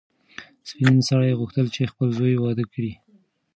سپین سرې غوښتل چې خپل زوی واده کړي.